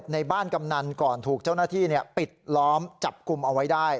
ในบ้านกำนันก่อนถูกเจ้าหน้าที่ปิดล้อมจับกลุ่มเอาไว้ได้